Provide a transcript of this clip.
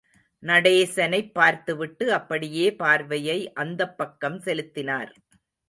நடேசனைப் பார்த்துவிட்டு, அப்படியே பார்வையை அந்தப் பக்கம் செலுத்தினார்.